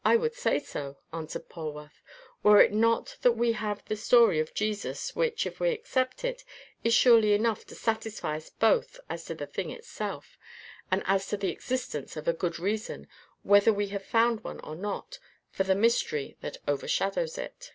"I would say so," answered Polwarth, "were it not that we have the story of Jesus, which, if we accept it, is surely enough to satisfy us both as to the thing itself, and as to the existence of a good reason, whether we have found one or not, for the mystery that overshadows it."